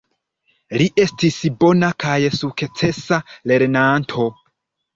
Li estis bona kaj sukcesa lernanto.